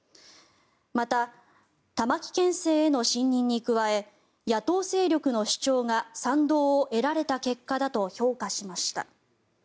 また、玉城県政への信任に加え野党勢力の主張が賛同を得られた結果だと評価しました。